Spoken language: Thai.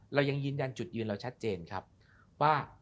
เรายังยืนยันจุดยืนเราชัดเจนครับว่า